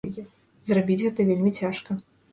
Зрабіць гэта вельмі цяжка.